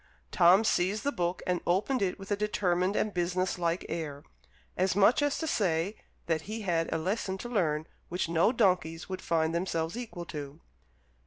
Tom seized the book and opened it with a determined and business like air, as much as to say that he had a lesson to learn which no donkeys would find themselves equal to.